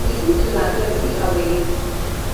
Reasons for the bankruptcy are varied.